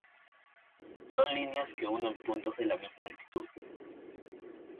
Son líneas que unen puntos de la misma altitud.